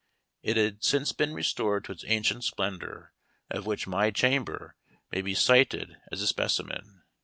It had since been restored to its ancient splendor, of which my chamber may be cited as a specimen.